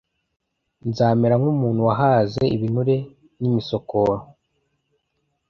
nzamera nk'umuntu wahaze ibinure n'imisokoro